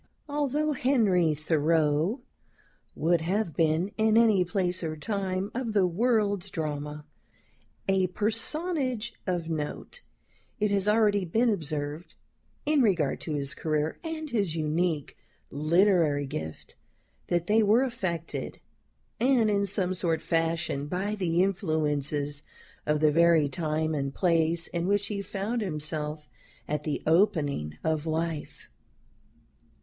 Although Henry Thoreau would have been, in any place or time of the world's drama, a personage of note, it has already been observed, in regard to his career and his unique literary gift, that they were affected, and in some sort fashioned by the influences of the very time and place in which he found himself at the opening of life.